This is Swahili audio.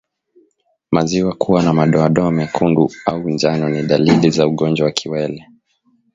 Maziwa kuwa na madoadoa mekundu au njano ni dalili za ugonjwa wa kiwele